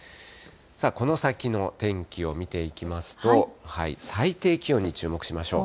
この先の天気を見ていきますと、最低気温に注目しましょう。